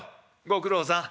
「ご苦労さん。